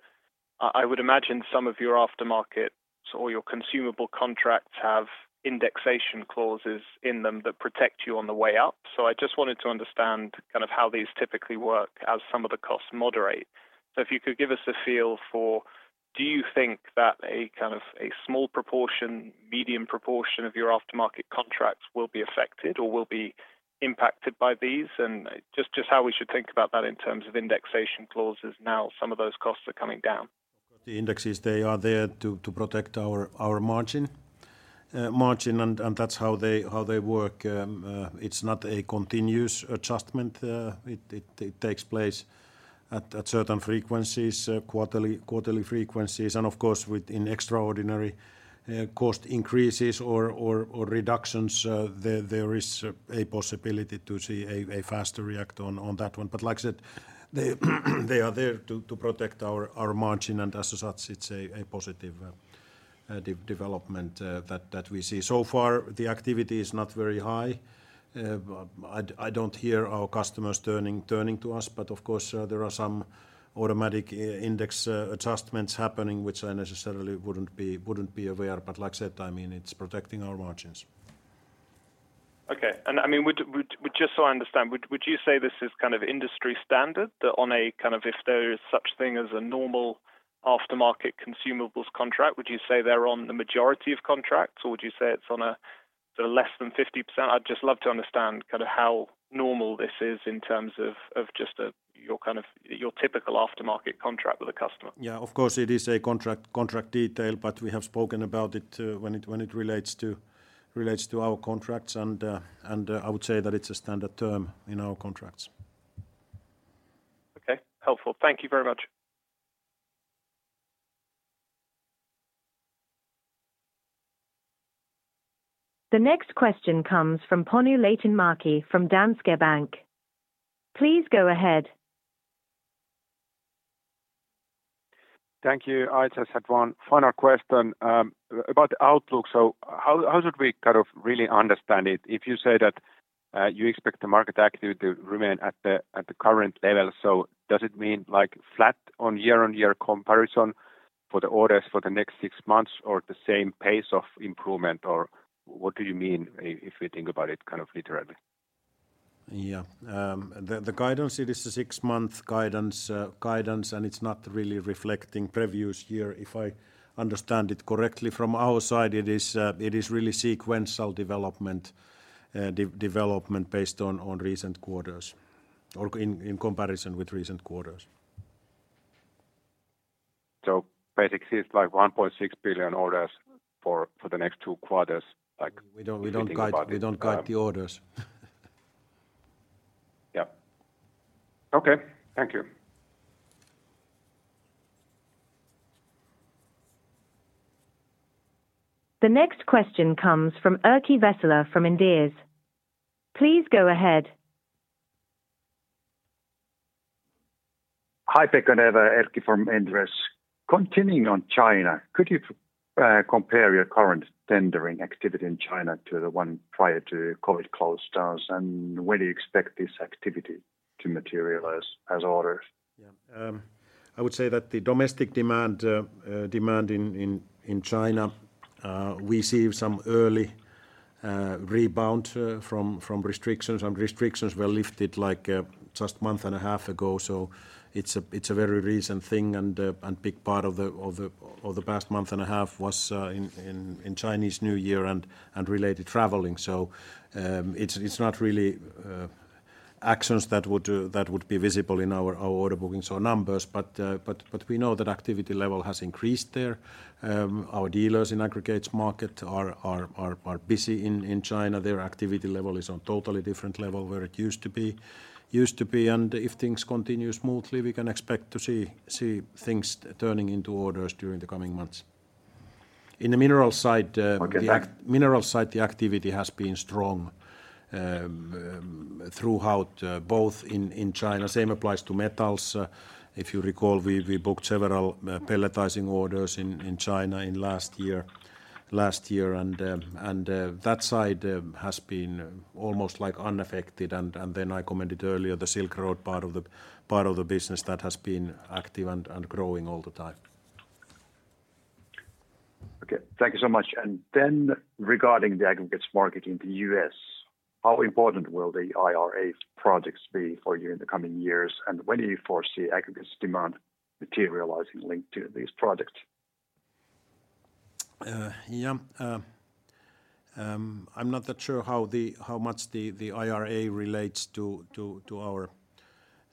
I would imagine some of your aftermarket or your consumable contracts have indexation clauses in them that protect you on the way up. I just wanted to understand kind of how these typically work as some of the costs moderate. If you could give us a feel for do you think that a kind of a small proportion, medium proportion of your aftermarket contracts will be affected or will be impacted by these? Just how we should think about that in terms of indexation clauses now some of those costs are coming down. The indexes, they are there to protect our margin, and that's how they work. It's not a continuous adjustment. It takes place at certain frequencies, quarterly frequencies. Of course, in extraordinary cost increases or reductions, there is a possibility to see a faster react on that one. Like I said, they are there to protect our margin, and as such, it's a positive de-development that we see. So far, the activity is not very high. I don't hear our customers turning to us. Of course, there are some automatic index adjustments happening, which I necessarily wouldn't be aware. Like I said, I mean, it's protecting our margins. Okay. I mean, just so I understand, would you say this is kind of industry standard that on a kind of, if there is such thing as a normal aftermarket consumables contract, would you say they're on the majority of contracts or would you say it's on a sort of less than 50%? I'd just love to understand kind of how normal this is in terms of just your typical aftermarket contract with a customer. Of course it is a contract detail, but we have spoken about it, when it relates to our contracts and I would say that it's a standard term in our contracts. Okay. Helpful. Thank you very much. The next question comes from Panu Laitinmäki from Danske Bank. Please go ahead. Thank you. I just had one final question about the outlook. How should we kind of really understand it? If you say that you expect the market activity to remain at the current level, does it mean like flat on year-on-year comparison for the orders for the next six months or the same pace of improvement? What do you mean if we think about it kind of literally? Yeah. The guidance it is a six-month guidance, and it's not really reflecting previous year if I understand it correctly. From our side, it is really sequential development based on recent quarters or in comparison with recent quarters. Basically it's like 1.6 billion orders for the next two quarters. We don't. if we think about it, We don't guide the orders. Yeah. Okay. Thank you. The next question comes from Erkki Vesola from Inderes. Please go ahead. Hi, Pekka and Eeva. Erkki from Inderes. Continuing on China, could you compare your current tendering activity in China to the one prior to COVID closed doors? When do you expect this activity to materialize as orders? I would say that the domestic demand in China, we see some early rebound from restrictions and restrictions were lifted like just month and a half ago. It's a very recent thing and big part of the past month and a half was in Chinese New Year and related traveling. It's not really actions that would that would be visible in our order bookings or numbers. We know that activity level has increased there. Our dealers in Aggregates market are busy in China. Their activity level is on totally different level where it used to be. If things continue smoothly, we can expect to see things turning into orders during the coming months. In the mineral side. Okay. The mineral side, the activity has been strong, throughout, both in China. Same applies to Metals. If you recall, we booked several pelletizing orders in China last year. That side, has been almost like unaffected. Then I commented earlier, the Silk Road part of the business that has been active and growing all the time. Okay. Thank you so much. Regarding the Aggregates market in the U.S., how important will the IRA projects be for you in the coming years? When do you foresee Aggregates demand materializing linked to these projects? Yeah. I'm not that sure how much the IRA relates to our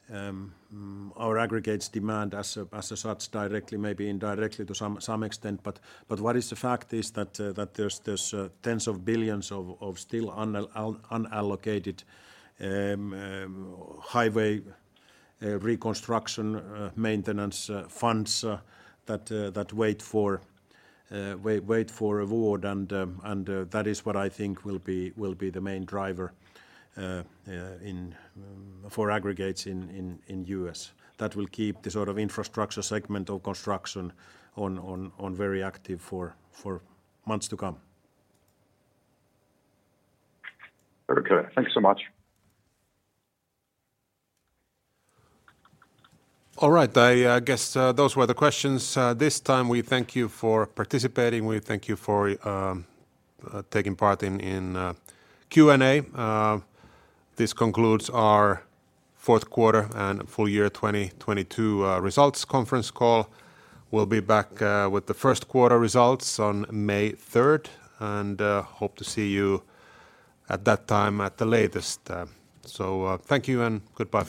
Aggregates demand as such directly, maybe indirectly to some extent. What is the fact is that there's tens of billions of still unallocated highway reconstruction maintenance funds that wait for award and that is what I think will be the main driver for Aggregates in U.S. That will keep the sort of infrastructure segment or construction very active for months to come. Okay. Thanks so much. All right. I guess those were the questions this time. We thank you for participating. We thank you for taking part in Q&A. This concludes our fourth quarter and full year 2022 results conference call. We'll be back with the first quarter results on May 3rd, 2023. Hope to see you at that time at the latest. Thank you and goodbye for now.